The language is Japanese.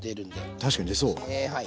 確かに出そう。